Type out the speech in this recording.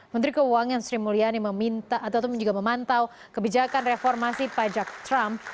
menteri keuangan sri mulyani meminta atau juga memantau kebijakan reformasi pajak trump